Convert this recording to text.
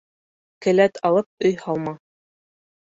Келәт алып өй һалма.